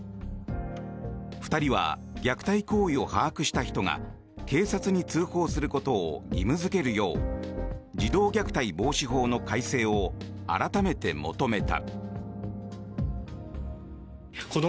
２人は虐待行為を把握した人が警察に通報することを義務付けるよう児童虐待防止法の改正を改めて求めた。